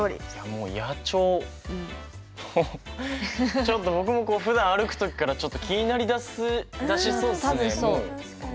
もう野鳥ちょっと僕もこうふだん歩く時からちょっと気になりだしそうですね。